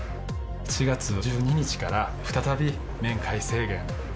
７月１２日から再び面会制限。